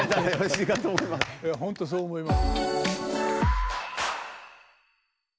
いや本当そう思います。